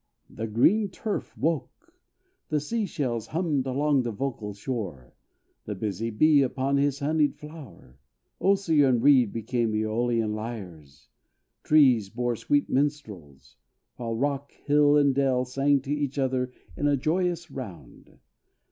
The green turf woke; The sea shells hummed along the vocal shore, The busy bee, upon his honeyed flower. Osier and reed became Eolian lyres. Trees bore sweet minstrels; while rock, hill, and dell Sang to each other in a joyous round.